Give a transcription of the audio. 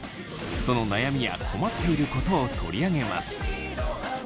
その悩みや困っていることを取り上げます。